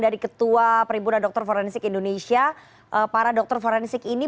dari ketua perimpunan dokter forensik indonesia para dokter forensik ini